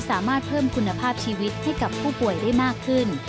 สามารถเพิ่มคุณภาพชีวิตให้กับผู้ป่วยได้มากขึ้น